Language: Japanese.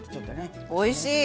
おいしい！